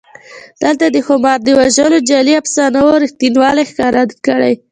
دلته د ښامار د وژلو جعلي افسانو رښتینوالی ښکاره کړی.